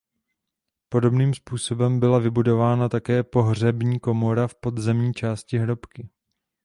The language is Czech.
Podobným způsobem byla vybudována také pohřební komora v podzemní části hrobky.